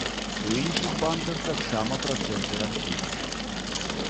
У іншых банках таксама працэнты растуць.